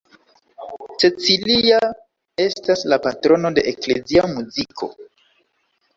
Cecilia estas la patrono de eklezia muziko.